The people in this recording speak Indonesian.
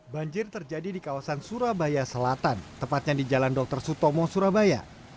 banjir terjadi di kawasan surabaya selatan tepatnya di jalan dr sutomo surabaya